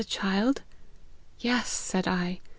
155 a child ?'' Yes,' said I.